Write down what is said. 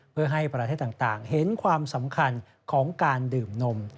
เพื่อให้ประเทศต่างเห็นความสำคัญของการดื่มนม